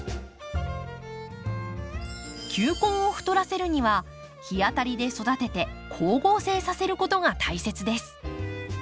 球根を太らせるには日当たりで育てて光合成させることが大切です。